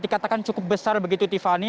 dikatakan cukup besar begitu tiffany